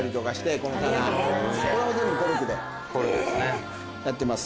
これも全部コルクでやってます。